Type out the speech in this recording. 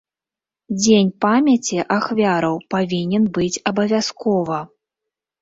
Дзень памяці ахвяраў павінен быць абавязкова.